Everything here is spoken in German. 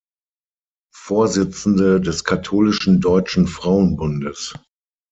Vorsitzende des Katholischen Deutschen Frauenbundes.